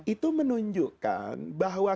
itu menunjukkan bahwa